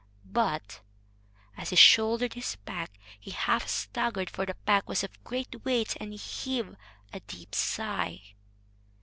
But, as he shouldered his pack, he half staggered, for the pack was of great weight and he heaved a deep sigh.